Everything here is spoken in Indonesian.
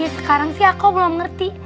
sekarang aku belum ngerti